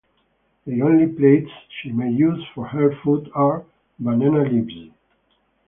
The only plates she may use for her food are banana leaves.